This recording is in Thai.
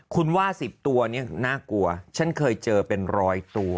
คุณว่า๑๐ตัวเนี่ยน่ากลัวฉันเคยเจอเป็นร้อยตัว